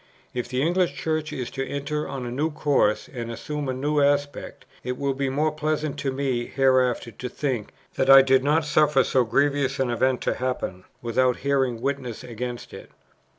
"If the English Church is to enter on a new course, and assume a new aspect, it will be more pleasant to me hereafter to think, that I did not suffer so grievous an event to happen, without bearing witness against it.